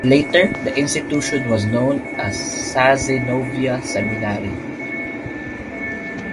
Later the institution was known as Cazenovia Seminary.